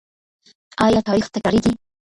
آیا تاریخ تکراریږي؟